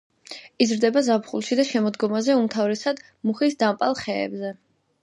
იზრდება ზაფხულში და შემოდგომაზე უმთავრესად მუხის დამპალ ხეებზე.